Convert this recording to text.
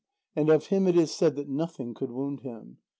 And of him it is said that nothing could wound him.